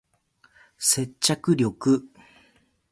接着力